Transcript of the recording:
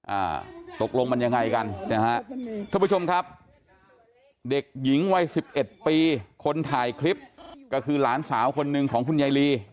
อ่าตกลงมันยังไงกันนะฮะท่านผู้ชมครับเด็กหญิงวัยสิบเอ็ดปีคนถ่ายคลิปก็คือหลานสาวคนหนึ่งของคุณยายลี